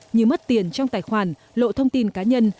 như mất tiền trong tài khoản lộ thông tin cá nhân